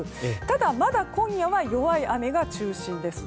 ただ、まだ今夜は弱い雨が中心です。